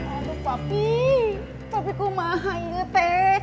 aduh papi tapi kok mahalnya teh